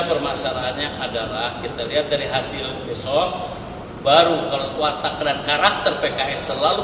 permasalahannya adalah kita lihat dari hasil besok baru kalau watak dan karakter pks selalu